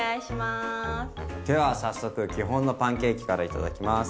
では早速基本のパンケーキから頂きます。